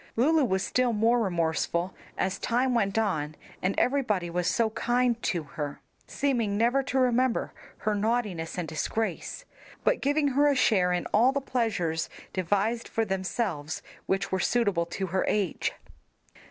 Lulu was still more remorseful as time went on and everybody was so kind to her, seeming never to remember her naughtiness and disgrace, but giving her a share in all the pleasures devised for themselves which were suitable to her age.